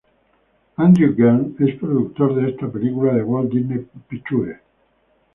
Andrew Gunn es productor de esta película de Walt Disney Pictures.